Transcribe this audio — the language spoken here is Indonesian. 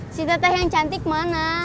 si teteh yang cantik mana